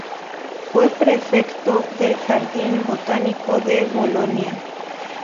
Fue prefecto del Jardín Botánico de Bolonia.